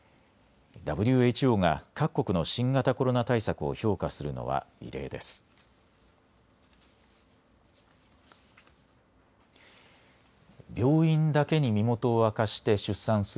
ＷＨＯが各国の新型コロナ対策を評価するのは異例です。